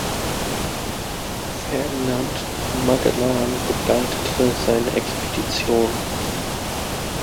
Ferdinand Magellan begleitete seine Expedition.